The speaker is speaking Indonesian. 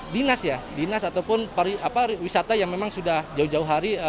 dinas ya dinas ataupun wisata yang memang sudah jauh jauh hari